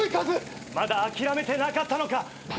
まだ諦めてなかったのか。